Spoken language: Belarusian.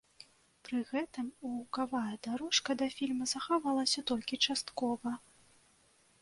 Пры гэтым гукавая дарожка да фільма захавалася толькі часткова.